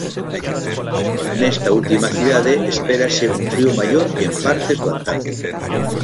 Nesta última cidade espérase un frío maior que en partes do Antártico.